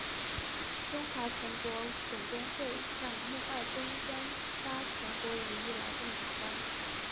中华全国总工会向孟二冬颁发了全国五一劳动奖章。